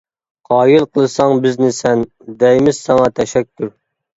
قايىل قىلساڭ بىزنى سەن، دەيمىز ساڭا تەشەككۈر.